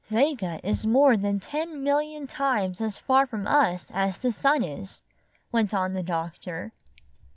''Vega is more than ten million times as far from us as the sun is," went on the doctor.